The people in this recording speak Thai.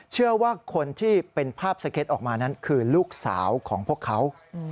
เชื่อว่าคนที่เป็นภาพสเก็ตออกมานั้นคือลูกสาวของพวกเขา